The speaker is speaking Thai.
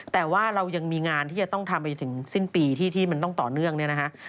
แต่ว่าเรายังมีงานที่จะต้องทำไปถึงสิ้นปีที่มันต้องต่อเนื่องเนี่ยนะฮะ